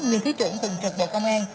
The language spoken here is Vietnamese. nguyên thứ trưởng thần trực bộ công an